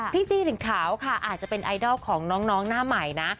จี้ลินขาวค่ะอาจจะเป็นไอดอลของน้องหน้าใหม่นะ